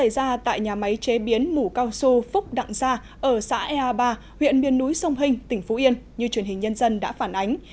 ra tại nhà máy chế biến mủ cao su phúc đặng gia ở xã ea ba huyện biên núi sông hình tỉnh phú yên như truyền hình nhân dân đã phản ánh